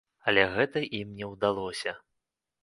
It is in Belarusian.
Але гэта ім не ўдалося.